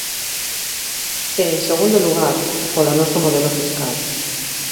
E en segundo lugar, polo noso modelo fiscal.